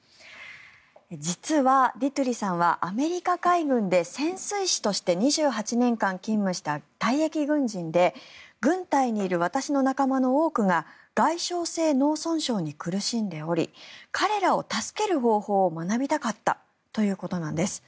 実はディトゥリさんはアメリカ海軍で潜水士として２８年間勤務した退役軍人で軍隊にいる私の仲間の多くが外傷性脳損傷に苦しんでおり彼らを助ける方法を学びたかったということなんです。